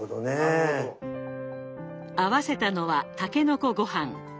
合わせたのは「たけのこごはん」。